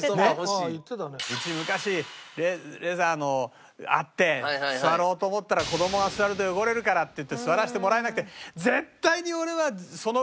うち昔レザーのあって座ろうと思ったら子供が座ると汚れるからって言って座らせてもらえなくて。